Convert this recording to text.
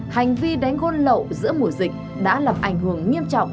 hành vi đánh gôn lậu giữa mùa dịch đã làm ảnh hưởng nghiêm trọng